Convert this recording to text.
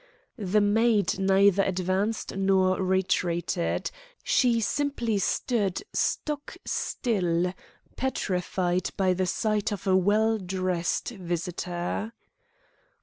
The maid neither advanced nor retreated. She simply stood stock still, petrified by the sight of a well dressed visitor.